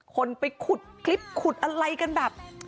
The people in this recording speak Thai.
คนไปขุดคลิปขุดอะไรกันแบบ